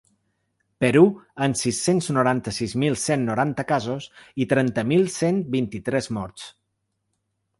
Perú, amb sis-cents noranta-sis mil cent noranta casos i trenta mil cent vint-i-tres morts.